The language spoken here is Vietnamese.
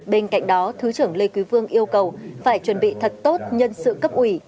bên cạnh đó thứ trưởng lê quý vương yêu cầu phải chuẩn bị thật tốt nhân sự cấp ủy